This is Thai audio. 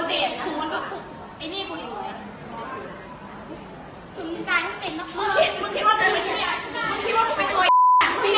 นางบอกมานี้ปรู้นั้นใช่หรอ